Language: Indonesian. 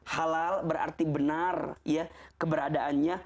halal berarti benar ya keberadaannya